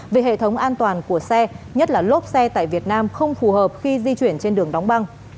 về hệ thống an toàn của xe nhất là lốp xe tại việt nam không phù hợp khi di chuyển trên đường đóng băng